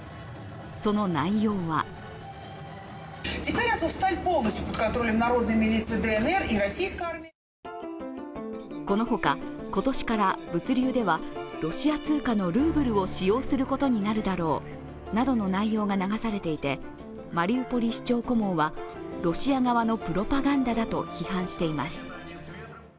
その内容はこのほか、今年から物流ではロシア通貨のルーブルを使用することになるだろうなどの内容が流されていてマリウポリ市長顧問は、ロシア側のプロパガンダだと批判しています。